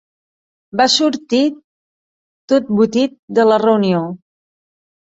Va sortit tot botit de la reunió.